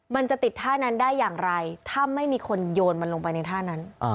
มันจะติดท่านั้นได้อย่างไรถ้าไม่มีคนโยนมันลงไปในท่านั้น